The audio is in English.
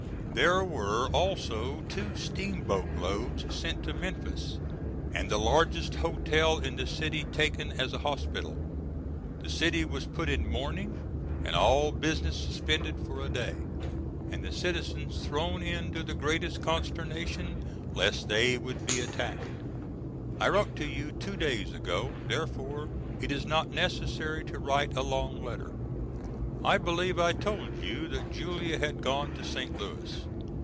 There were also two steamboat loads sent to Memphis and the largest hotel in the city taken as a hospital. The city was put in mourning and all business suspended for a day: and the citizens thrown into the greatest consternation lest they would be attacked. I wrote to you two days ago, therefore it is not necessary to write a long letter. I believe I told you that Julia had gone to St. Louis.